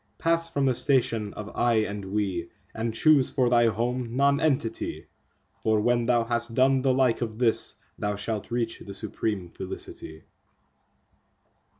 Pass from the station of "I" and "We," and choose for thy home Nonentity, For when thou has done the like of this, thou shalt reach the supreme Felicity.